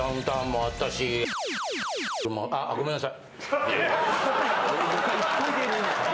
あごめんなさい。